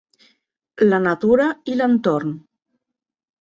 La natura i l'entorn.